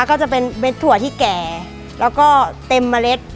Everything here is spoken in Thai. ก็จะเป็นเด็ดถั่วที่แก่แล้วก็เต็มเมล็ด